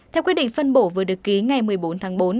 theo quyết định phân bổ vừa được ký ngày một mươi bốn tháng bốn